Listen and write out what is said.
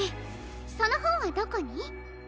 そのほんはどこに？